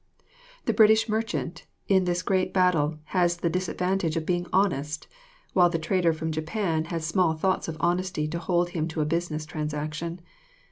The British merchant, in this great battle has the disadvantage of being honest, while the trader from Japan has small thoughts of honesty to hold him to a business transaction.